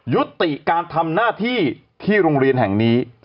ยุติการทำหน้าที่ที่โรงเรียนแห่งนี้